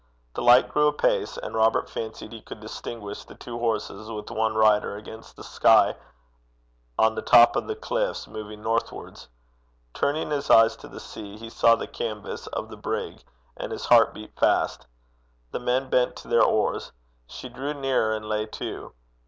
The light grew apace, and Robert fancied he could distinguish the two horses with one rider against the sky on the top of the cliffs, moving northwards. Turning his eyes to the sea, he saw the canvas of the brig, and his heart beat fast. The men bent to their oars. She drew nearer, and lay to.